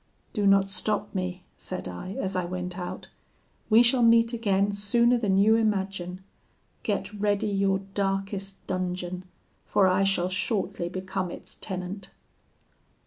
'Do not stop me,' said I, as I went out; 'we shall meet again sooner than you imagine: get ready your darkest dungeon, for I shall shortly become its tenant.'